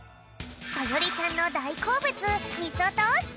そよりちゃんのだいこうぶつみそトースト。